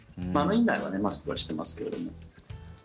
院内はマスクはしてますけれども。